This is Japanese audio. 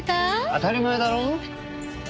当たり前だろ。